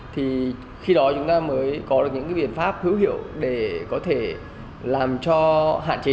thì khi đó chúng ta mới có được những biện pháp hữu hiệu để có thể làm cho hạn chế